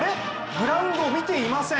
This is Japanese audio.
グラウンドを見ていません！